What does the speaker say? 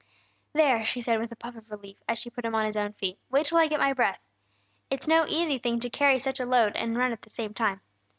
"There!" she said, with a puff of relief, as she put him on his own feet. "Wait till I get my breath! It's no easy thing to carry such a load and run at the same time!